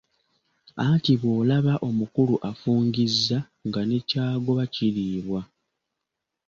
Anti bw'olaba omukulu afungizza nga ne ky'agoba kiriibwa.